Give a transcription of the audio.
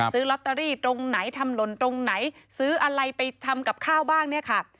ซื้อลอตเตอรี่ตรงไหนทำหล่นตรงไหนซื้ออะไรไปทำกับข้าวบ้างเนี่ยค่ะ